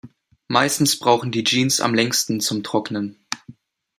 Meistens brauchen die Jeans am längsten zum Trocknen.